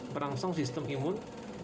merangsang sistem imun